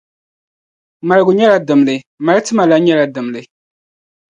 Maligu nyɛla dimli, mali ti ma lan nyɛla dimli.